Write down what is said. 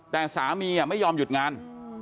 แต่สามีไม่ยอมหยุดงาน